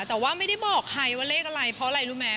แต่ว่าไม่ได้บอกใครว่าเลขอะไรเพราะอะไรรู้ไหม